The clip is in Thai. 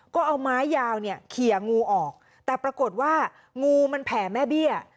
ก็เอาไม้ยาวเนี่ยเขี่ยงูออกแต่ปรากฏว่างูมันแผ่แม่เบี้ย